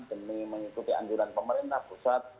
demi mengikuti anjuran pemerintah pusat